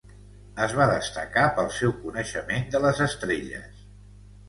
Es va destacar pel seu coneixement de les estrelles.